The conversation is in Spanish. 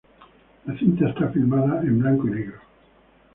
La cinta está filmada en blanco y negro.